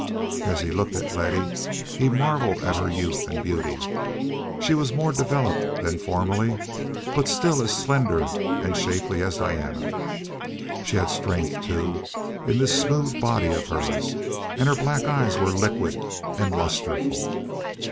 As he looked at Letty he marveled at her youth and beauty. She was more developed than formerly, but still as slender and shapely as Diana. She had strength, too, in this smooth body of hers, and her black eyes were liquid and lusterful.